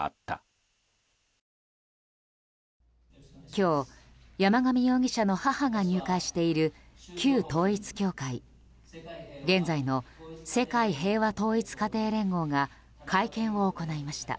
今日、山上容疑者の母が入会している旧統一教会現在の世界平和統一家庭連合が会見を行いました。